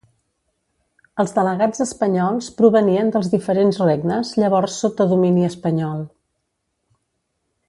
Els delegats espanyols provenien dels diferents regnes llavors sota domini espanyol.